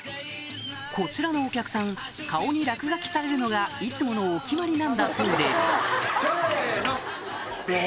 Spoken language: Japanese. こちらのお客さんされるのがいつものお決まりなんだそうでせのベェ！